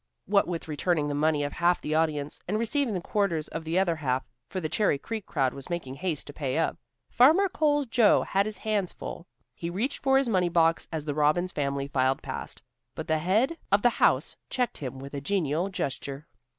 What with returning the money of half the audience, and receiving the quarters of the other half, for the Cherry Creek crowd was making haste to pay up, Farmer Cole's Joe had his hands full. He reached for his money box as the Robbins family filed past, but the head of the house checked him with a genial gesture.